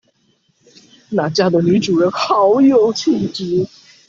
那家的女主人好有氣質